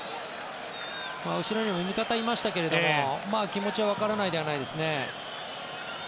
後ろにも味方がいましたけど気持ちはわからないではないですね。